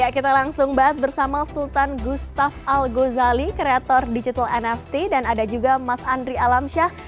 kita langsung bahas bersama sultan gustaf al gozali kreator digital nft dan ada juga mas andri alamsyah